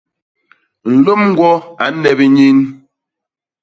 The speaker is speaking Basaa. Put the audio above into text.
Nlôm ñgwo a nnep ñin.